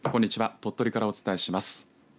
鳥取からお伝えします。